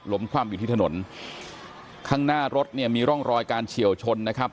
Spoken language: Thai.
คว่ำอยู่ที่ถนนข้างหน้ารถเนี่ยมีร่องรอยการเฉียวชนนะครับ